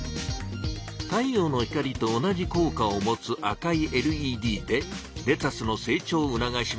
太陽の光と同じこう果をもつ赤いＬＥＤでレタスの成長をうながします。